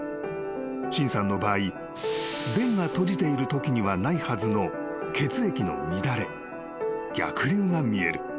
［申さんの場合弁が閉じているときにはないはずの血液の乱れ逆流が見える］